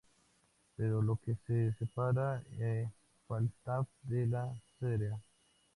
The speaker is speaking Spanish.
Pero lo que separa a Falstaff de la Sra.